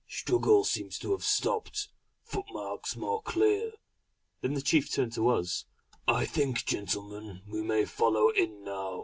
Struggle seems to have stopped. Footmarks more clear."... Then the chief turned to us: "I think gentlemen, we may follow in now.